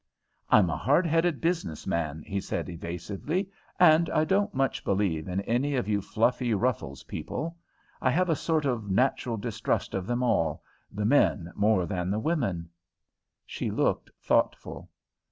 "I'm a hard headed business man," he said evasively, "and I don't much believe in any of you fluffy ruffles people. I have a sort of natural distrust of them all, the men more than the women." She looked thoughtful.